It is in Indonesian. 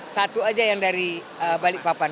satu aja yang dari balikpapan